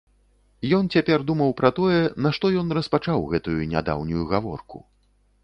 Ён цяпер думаў пра тое, нашто ён распачаў гэтую нядаўнюю гаворку.